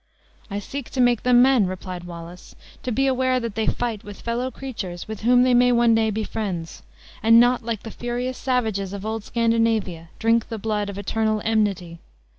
"I seek to make them men," replied Wallace; "to be aware that they fight with fellow creatures, with whom they may one day be friends; and not like the furious savages of old Scandinavia, drink the blood of eternal enmity.